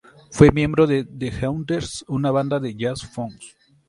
Fue miembro de The Headhunters, una banda de jazz-funk.